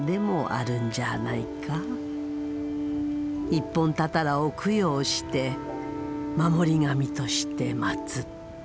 一本たたらを供養して守り神として祭った。